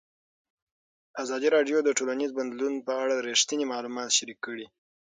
ازادي راډیو د ټولنیز بدلون په اړه رښتیني معلومات شریک کړي.